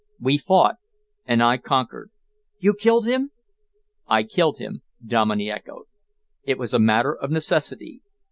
We fought and I conquered." "You killed him?" "I killed him," Dominey echoed. "It was a matter of necessity.